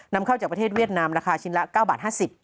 นำเข้าจากประเทศเวียดนามราคาชิ้นละ๙บาท๕๐บาท